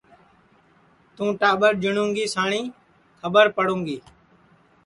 توں ٹاٻر جیٹؔوں گی ساٹی کھٻر پڑوں گی